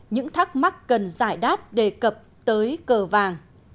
những thắc mắc cần giải đáp đề cập tới cờ vàng